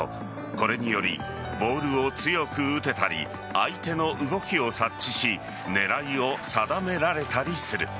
これによりボールを強く打てたり相手の動きを察知し狙いを定められたりする。